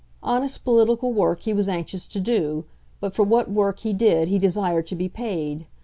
Honest political work he was anxious to do, but for what work he did he desired to be paid.